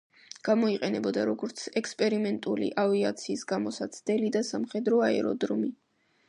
გამოიყენებოდა როგორც ექსპერიმენტული ავიაციის გამოსაცდელი და სამხედრო აეროდრომი.